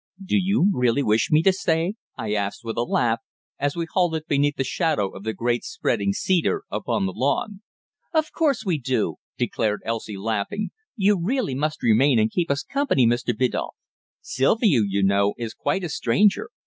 "Do you really wish me to stay?" I asked, with a laugh, as we halted beneath the shadow of the great spreading cedar upon the lawn. "Of course we do," declared Elsie, laughing. "You really must remain and keep us company, Mr. Biddulph. Sylvia, you know, is quite a stranger.